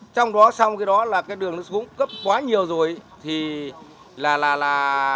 trong đó sau cái đó là cái đường xuống cấp quá nhiều rồi thì là là là